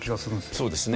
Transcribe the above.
そうですね。